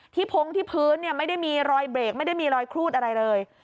พงที่พื้นไม่ได้มีรอยเบรกไม่ได้มีรอยครูดอะไรเลย